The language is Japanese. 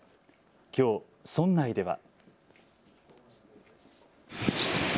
きょう村内では。